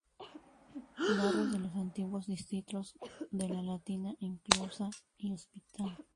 Barrios de los antiguos distritos de la Latina, Inclusa y Hospital.